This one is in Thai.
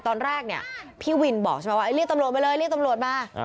ตอนแรกเนี่ยพี่วินบอกใช่ไหมว่าเรียกตำรวจมาเลยเรียกตำรวจมา